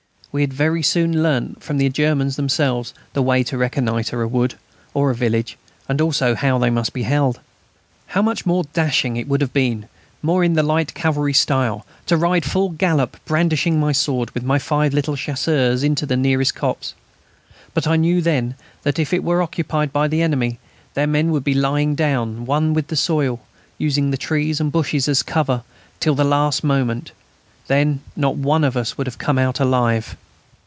We had very soon learnt from the Germans themselves the way to reconnoitre a wood or a village, and also how they must be held. How much more dashing it would have been, more in the light cavalry style, to ride full gallop, brandishing my sword, with my five little Chasseurs into the nearest copse! But I knew then that if it were occupied by the enemy their men would be lying down, one with the soil, using the trees and bushes as cover, till the last moment. Then not one of us would have come out alive.